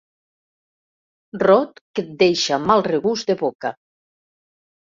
Rot que deixa mal regust de boca.